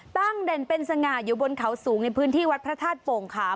เด่นเป็นสง่าอยู่บนเขาสูงในพื้นที่วัดพระธาตุโป่งขาม